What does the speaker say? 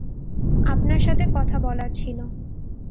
আপনার সাথে কথা বলার ছিলো।